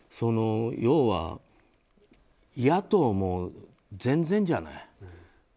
要は、野党も全然じゃない。